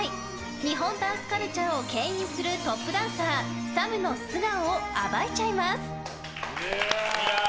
日本ダンスカルチャーをけん引するトップダンサー、ＳＡＭの素顔を暴いちゃいます！